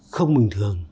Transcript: không bình thường